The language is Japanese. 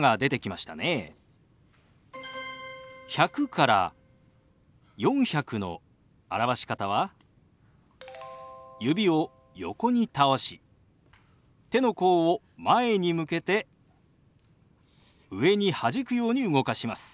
１００から４００の表し方は指を横に倒し手の甲を前に向けて上にはじくように動かします。